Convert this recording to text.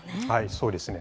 そうですね。